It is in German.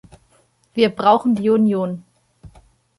Wir brauchen die Union.